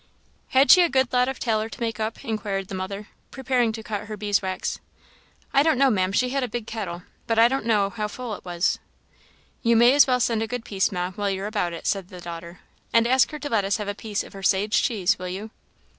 "Had she a good lot of taller to make up?" inquired the mother, preparing to cut her bees' wax. "I don't know, Ma'am; she had a big kettle, but I don't know how full it was." "You may as well send a good piece, Ma, while you are about it," said the daughter "and ask her to let us have a piece of her sage cheese, will you?"